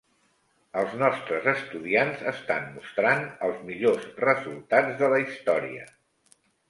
Els nostres estudiants estan mostrant els millors resultats de la història.